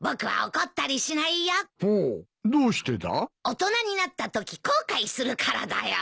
大人になったとき後悔するからだよ。